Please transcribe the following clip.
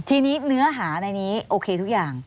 ทีนี้เนื้อหาในนี้โอเคทุกอย่าง